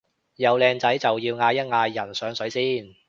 有靚仔就要嗌一嗌人上水先